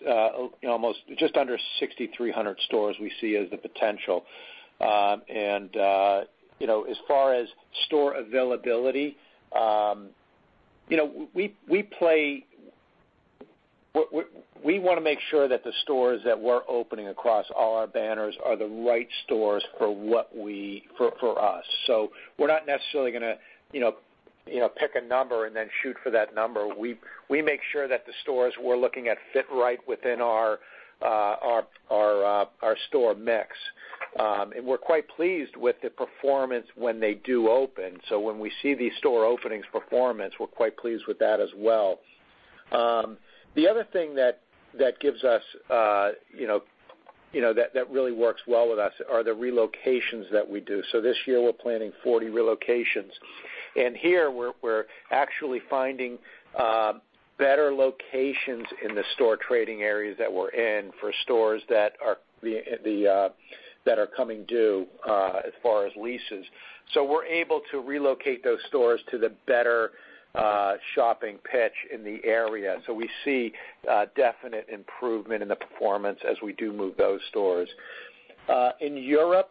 almost just under 6,300 stores we see as the potential. And you know, as far as store availability, you know, we wanna make sure that the stores that we're opening across all our banners are the right stores for what we—for us. So we're not necessarily gonna, you know, you know, pick a number and then shoot for that number. We make sure that the stores we're looking at fit right within our store mix. And we're quite pleased with the performance when they do open. So when we see these store openings performance, we're quite pleased with that as well. The other thing that gives us, you know, that really works well with us are the relocations that we do. So this year, we're planning 40 relocations, and here we're actually finding better locations in the store trading areas that we're in for stores that are coming due as far as leases. So we're able to relocate those stores to the better shopping pitch in the area. So we see definite improvement in the performance as we do move those stores. In Europe,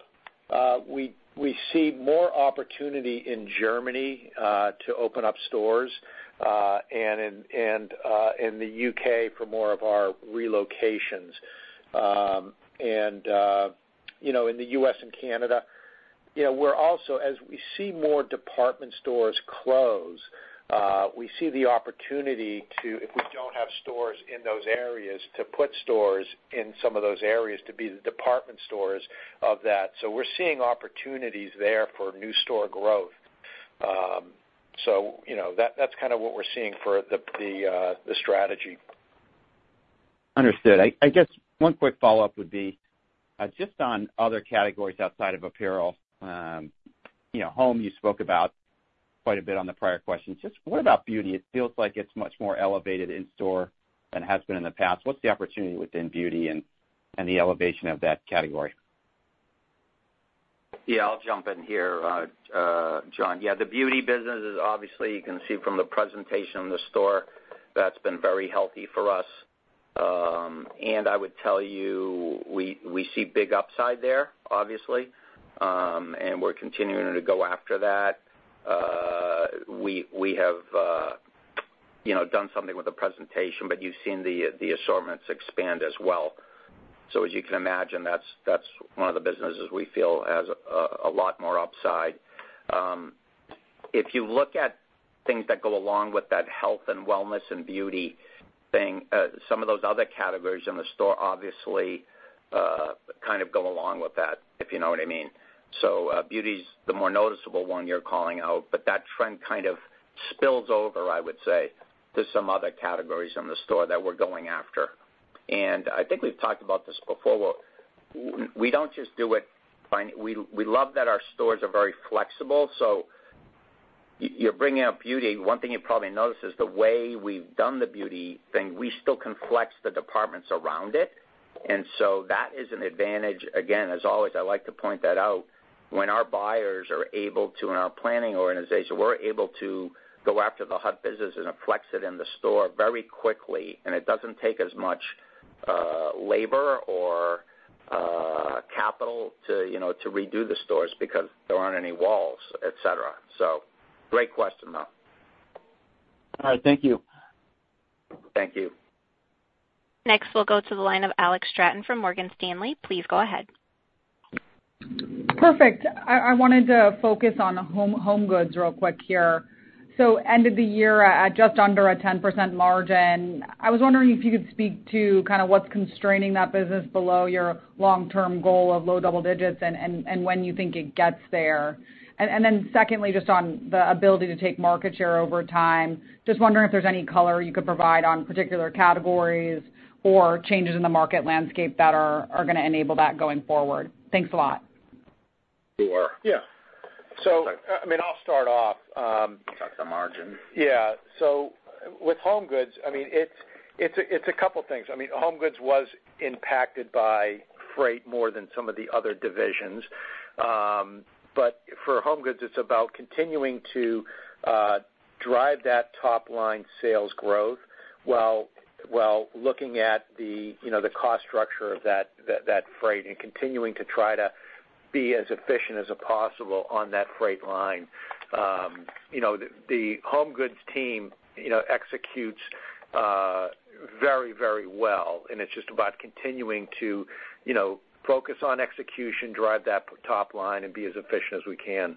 we see more opportunity in Germany to open up stores and in the U.K. for more of our relocations. And, you know, in the U.S. and Canada, you know, we're also, as we see more department stores close, we see the opportunity to, if we don't have stores in those areas, to put stores in some of those areas to be the department stores of that. So we're seeing opportunities there for new store growth. So, you know, that's kind of what we're seeing for the strategy. Understood. I guess one quick follow-up would be, just on other categories outside of apparel. You know, home, you spoke about quite a bit on the prior question. Just what about beauty? It feels like it's much more elevated in store than it has been in the past. What's the opportunity within beauty and the elevation of that category? Yeah, I'll jump in here, John. Yeah, the beauty business is obviously, you can see from the presentation in the store, that's been very healthy for us. And I would tell you, we see big upside there, obviously, and we're continuing to go after that. We have, you know, done something with the presentation, but you've seen the assortments expand as well. So as you can imagine, that's one of the businesses we feel has a lot more upside. If you look at things that go along with that health and wellness and beauty thing, some of those other categories in the store obviously kind of go along with that, if you know what I mean. So, beauty is the more noticeable one you're calling out, but that trend kind of spills over, I would say, to some other categories in the store that we're going after. And I think we've talked about this before. Well, we don't just do it by - we love that our stores are very flexible, so you're bringing up beauty. One thing you probably noticed is the way we've done the beauty thing. We still can flex the departments around it. And so that is an advantage. Again, as always, I like to point that out. When our buyers are able to, and our planning organization, we're able to go after the hot business and flex it in the store very quickly, and it doesn't take as much labor or capital to, you know, to redo the stores because there aren't any walls, et cetera. Great question, though. All right. Thank you. Thank you. Next, we'll go to the line of Alex Straton from Morgan Stanley. Please go ahead. Perfect. I wanted to focus on HomeGoods real quick here. So end of the year at just under a 10% margin, I was wondering if you could speak to kind of what's constraining that business below your long-term goal of low double digits and when you think it gets there. And then secondly, just on the ability to take market share over time, just wondering if there's any color you could provide on particular categories or changes in the market landscape that are gonna enable that going forward. Thanks a lot. Sure. Yeah. So, I mean, I'll start off. Talk the margin. Yeah. So with HomeGoods, I mean, it's a couple things. I mean, HomeGoods was impacted by freight more than some of the other divisions. But for HomeGoods, it's about continuing to drive that top line sales growth while looking at the, you know, the cost structure of that freight and continuing to try to be as efficient as possible on that freight line. You know, the HomeGoods team, you know, executes very, very well, and it's just about continuing to, you know, focus on execution, drive that top line, and be as efficient as we can.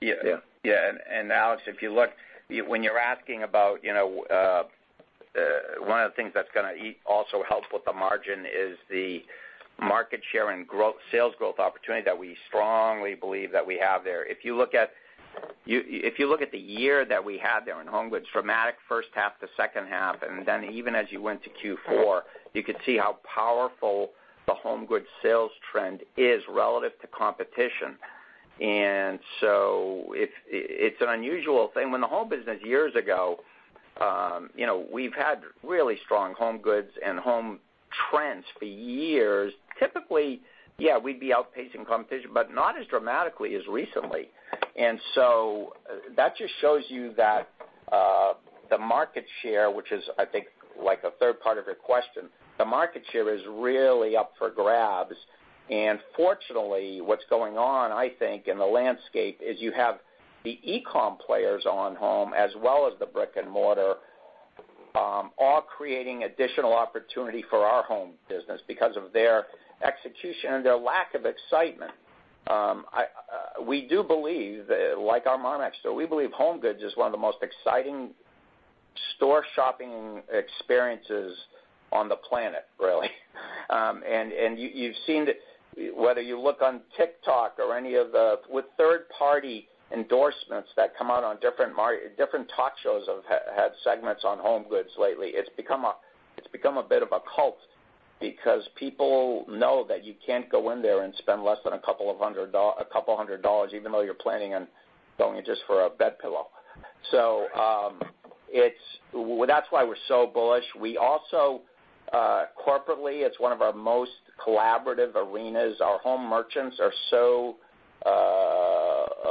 Yeah. Yeah. Yeah, and Alex, if you look, when you're asking about, you know, one of the things that's gonna also help with the margin is the market share and growth, sales growth opportunity that we strongly believe that we have there. If you look at the year that we had there in HomeGoods, dramatic first half to second half, and then even as you went to Q4, you could see how powerful the HomeGoods sales trend is relative to competition. And so it's, it's an unusual thing. When the home business years ago, you know, we've had really strong HomeGoods and home trends for years. Typically, yeah, we'd be outpacing competition, but not as dramatically as recently. And so that just shows you that, the market share, which is, I think, like a third part of your question, the market share is really up for grabs. And fortunately, what's going on, I think, in the landscape, is you have the e-com players on home as well as the brick-and-mortar, all creating additional opportunity for our home business because of their execution and their lack of excitement. We do believe, like our Marmaxx store, we believe HomeGoods is one of the most exciting store shopping experiences on the planet, really. And, and you, you've seen it, whether you look on TikTok or any of the, with third-party endorsements that come out on different talk shows have had segments on HomeGoods lately. It's become a bit of a cult because people know that you can't go in there and spend less than $200, even though you're planning on going just for a bed pillow. So, it's. Well, that's why we're so bullish. We also corporately, it's one of our most collaborative arenas. Our home merchants are so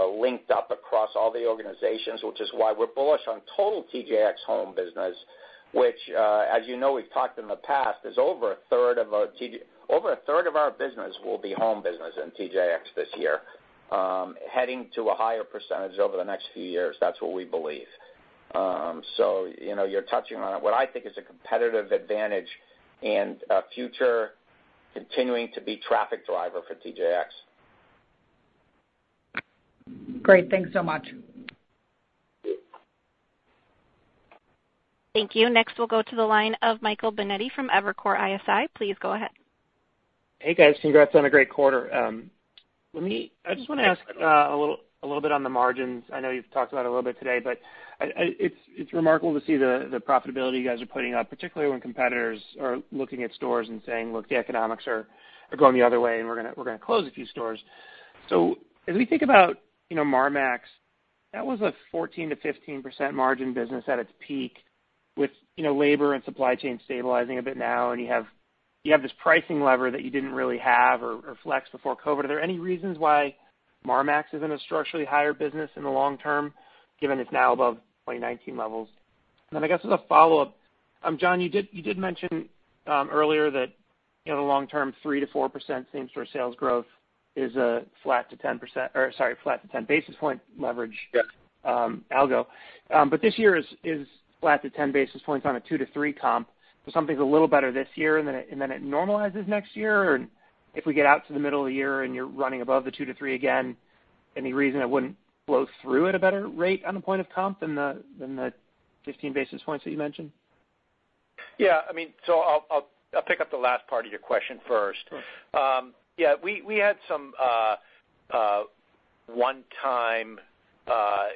linked up across all the organizations, which is why we're bullish on total TJX home business, which, as you know, we've talked in the past, is over 1/3 of our TJX, over 1/3 of our business will be home business in TJX this year, heading to a higher percentage over the next few years. That's what we believe. So, you know, you're touching on what I think is a competitive advantage and a future continuing to be traffic driver for TJX. Great. Thanks so much. Thank you. Next, we'll go to the line of Michael Binetti from Evercore ISI. Please go ahead. Hey, guys. Congrats on a great quarter. Let me, I just wanna ask a little bit on the margins. I know you've talked about it a little bit today, but it's remarkable to see the profitability you guys are putting up, particularly when competitors are looking at stores and saying, "Look, the economics are going the other way, and we're gonna close a few stores." So as we think about, you know, Marmaxx, that was a 14%-15% margin business at its peak with, you know, labor and supply chain stabilizing a bit now, and you have this pricing lever that you didn't really have or flex before COVID. Are there any reasons why Marmaxx is in a structurally higher business in the long term, given it's now above 2019 levels? Then I guess as a follow-up, John, you did mention earlier that, you know, the long-term 3%-4% same store sales growth is a flat to 10%, or sorry, flat to 10 basis point leverage. Yes. But this year is flat to 10 basis points on a 2%-3% comp. So something's a little better this year, and then it normalizes next year? Or if we get out to the middle of the year and you're running above the 2%-3% again, any reason it wouldn't flow through at a better rate on the point of comp than the 15 basis points that you mentioned? Yeah, I mean, so I'll pick up the last part of your question first. Sure. Yeah, we had some one time,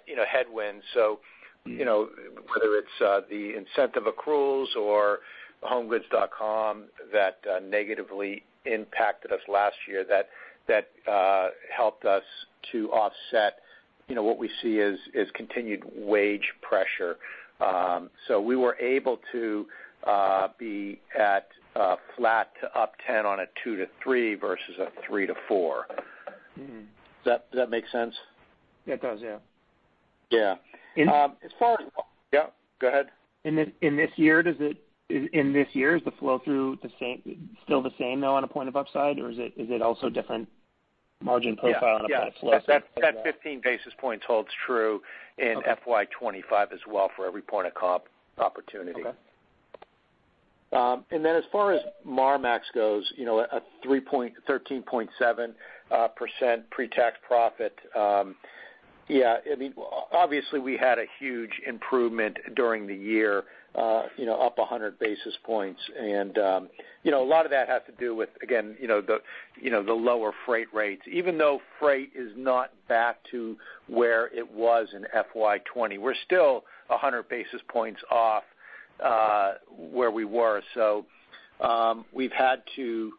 you know, headwind. So, you know, whether it's the incentive accruals or HomeGoods.com that negatively impacted us last year, that helped us to offset, you know, what we see as continued wage pressure. So we were able to be at flat to up 10 on a 2%-3% versus a 3%-4%. Mm-hmm. Does that, does that make sense? It does, yeah. Yeah. As far as. Yeah, go ahead. In this year, is the flow through the same, still the same, though, on a point of upside, or is it also different margin profile on a flow? Yeah, that 15 basis points holds true. Okay. In FY 2025 as well for every point of comp opportunity. Okay. And then as far as Marmaxx goes, you know, 13.7% pretax profit. Yeah, I mean, obviously, we had a huge improvement during the year, you know, up 100 basis points. And, you know, a lot of that had to do with, again, you know, the lower freight rates. Even though freight is not back to where it was in FY 2020, we're still 100 basis points off where we were. So, we've had to,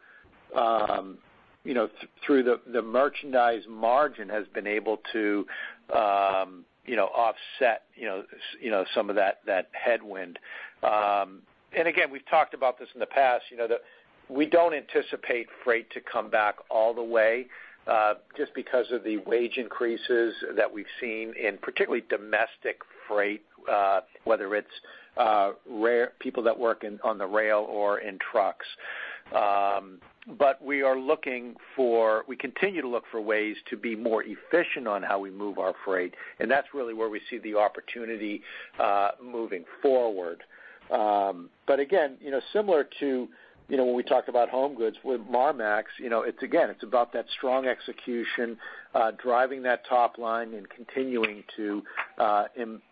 you know, through the merchandise margin has been able to, you know, offset, you know, some of that, that headwind. And again, we've talked about this in the past, you know. We don't anticipate freight to come back all the way, just because of the wage increases that we've seen in particularly domestic freight, whether it's rail people that work in on the rail or in trucks. But we are looking for ways to be more efficient on how we move our freight, and that's really where we see the opportunity, moving forward. But again, you know, similar to, you know, when we talked about HomeGoods with Marmaxx, you know, it's again, it's about that strong execution, driving that top line and continuing to,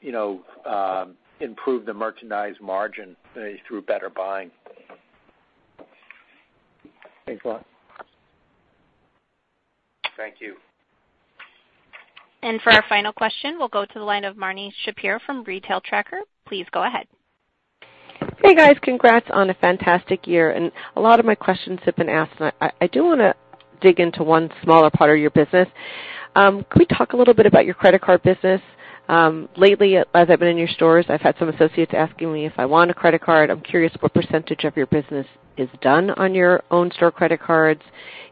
you know, improve the merchandise margin through better buying. Thanks a lot. Thank you. For our final question, we'll go to the line of Marni Shapiro from Retail Tracker. Please go ahead. Hey, guys. Congrats on a fantastic year, and a lot of my questions have been asked, but I, I do wanna dig into one smaller part of your business. Can we talk a little bit about your credit card business? Lately, as I've been in your stores, I've had some associates asking me if I want a credit card. I'm curious what percentage of your business is done on your own store credit cards.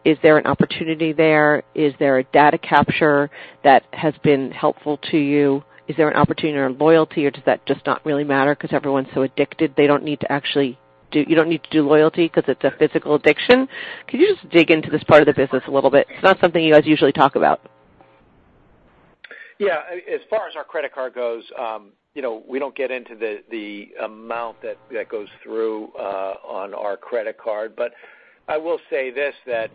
Is there an opportunity there? Is there a data capture that has been helpful to you? Is there an opportunity around loyalty, or does that just not really matter because everyone's so addicted, they don't need to actually, do you don't need to do loyalty because it's a physical addiction? Can you just dig into this part of the business a little bit? It's not something you guys usually talk about. Yeah, as far as our credit card goes, you know, we don't get into the amount that goes through on our credit card. But I will say this, that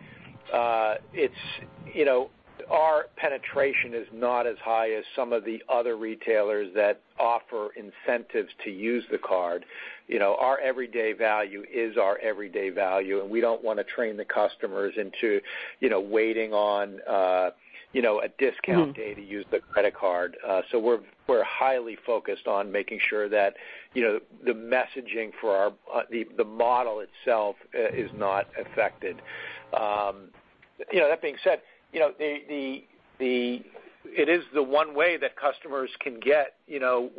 it's, you know, our penetration is not as high as some of the other retailers that offer incentives to use the card. You know, our everyday value is our everyday value, and we don't wanna train the customers into, you know, waiting on, you know, a discount. Mm-hmm. Today to use the credit card. So we're highly focused on making sure that, you know, the messaging for our model itself is not affected. You know, that being said, you know, it is the one way that customers can get, you know,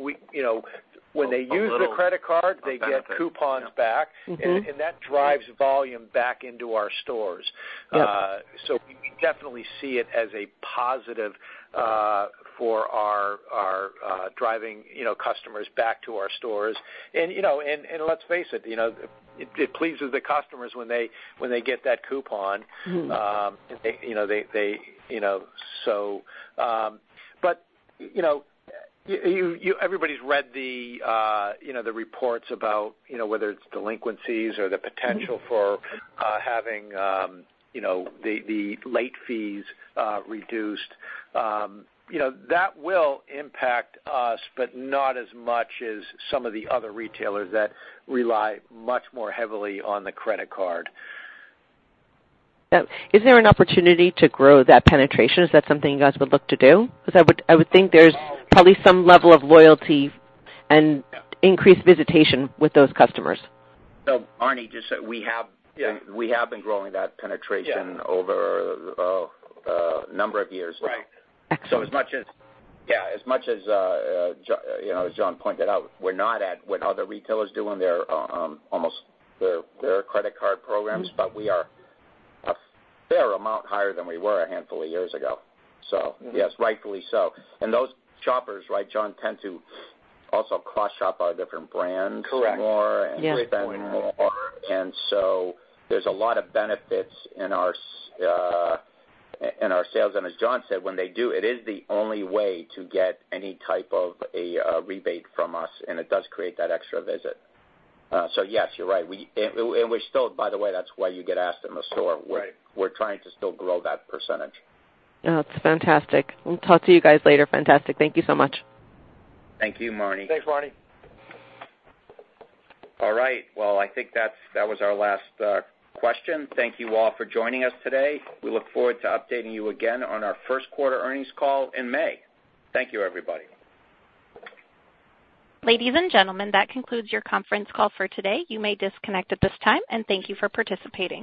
when they use the credit card, they get coupons back. Mm-hmm. And that drives volume back into our stores. Yep. So we definitely see it as a positive for our driving, you know, customers back to our stores. And, you know, let's face it, you know, it pleases the customers when they get that coupon. Mm-hmm. They, you know. So, but, you know, everybody's read the, you know, the reports about, you know, whether it's delinquencies or the potential. Mm-hmm. For having, you know, the late fees reduced. You know, that will impact us, but not as much as some of the other retailers that rely much more heavily on the credit card. Now, is there an opportunity to grow that penetration? Is that something you guys would look to do? Because I would, I would think there's probably some level of loyalty and. Yeah. Increased visitation with those customers. Marni, just so we have. Yeah. We have been growing that penetration. Yeah. Over, a number of years. Right. Excellent. So as much as, yeah, as much as, you know, as John pointed out, we're not at what other retailers do on their almost their credit card programs. Mm-hmm. But we are a fair amount higher than we were a handful of years ago. So yes, rightfully so. Those shoppers, right, John, tend to also cross-shop our different brands. Correct. More. Yeah. And spend more. And so there's a lot of benefits in our sales. And as John said, when they do, it is the only way to get any type of a rebate from us, and it does create that extra visit. So yes, you're right. And we're still, by the way, that's why you get asked in the store. Right. We're trying to still grow that percentage. Oh, that's fantastic. We'll talk to you guys later. Fantastic. Thank you so much. Thank you, Marni. Thanks, Marni. All right. Well, I think that's, that was our last question. Thank you all for joining us today. We look forward to updating you again on our first quarter earnings call in May. Thank you, everybody. Ladies and gentlemen, that concludes your conference call for today. You may disconnect at this time, and thank you for participating.